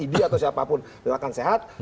id atau siapapun dia akan sehat